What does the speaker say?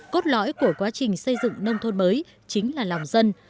cốt lõi của quá trình xây dựng nông thôn mới chính là lòng dân